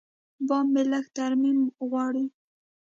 بام مې لږ ترمیم غواړي.